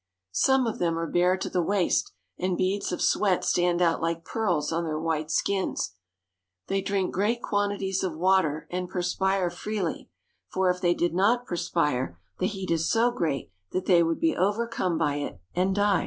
Some of them are bare to the waist, and beads of sweat stand out like pearls on their white skins. They drink great quantities of water, and perspire freely, for if they did not perspire the heat is so great that they would be overcome by it and die.